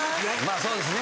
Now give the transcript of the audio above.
そうですね。